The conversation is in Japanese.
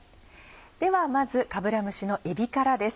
ではまずかぶら蒸しのえびからです。